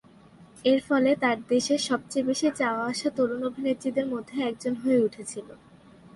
এর ফলে তার দেশে "সবচেয়ে বেশি চাওয়া-আসা তরুণ অভিনেত্রীদের মধ্যে একজন" হয়ে উঠেছিল।